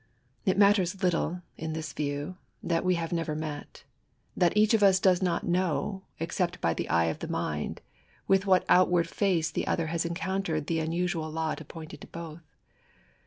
It matters little, in this view, that we have never met — that each of us does not know, except by the eye of the mind, with what Outward face the other has encountered the unusual lot appointed to both.